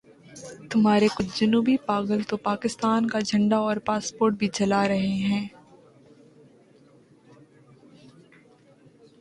تمہارے کچھ جنونی پاگل تو پاکستان کا جھنڈا اور پاسپورٹ بھی جلا رہے ہیں۔